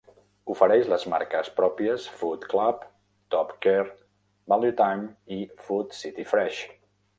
Ofereix les marques pròpies "Food Club", "Top Care", "ValuTime" i "Food City Fresh!".